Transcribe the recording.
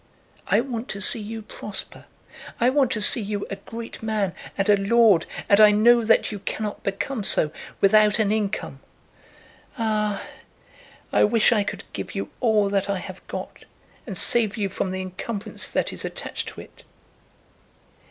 I want to see you prosper. I want to see you a great man and a lord, and I know that you cannot become so without an income. Ah, I wish I could give you all that I have got, and save you from the encumbrance that is attached to it!"